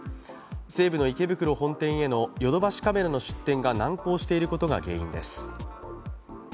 西武の池袋本店へのヨドバシカメラの出店が難航していることが原因です。